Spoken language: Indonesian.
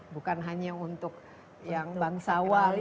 bukan hanya untuk yang bangsawan